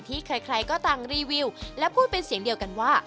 ใครก็ต่างรีวิวและพูดเป็นเสียงเดียวกันว่า